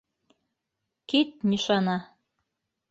Кит, нишана!